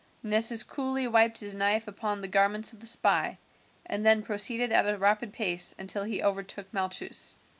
Nessus coolly wiped his knife upon the garments of the spy, and then proceeded at a rapid pace until he overtook Malchus.